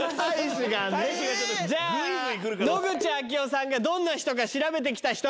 じゃあ野口啓代さんがどんな人か調べてきた人。